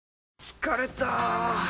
疲れた！